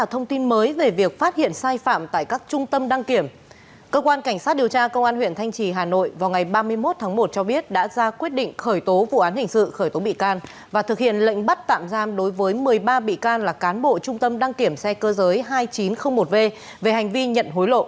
hãy đăng ký kênh để ủng hộ kênh của chúng mình nhé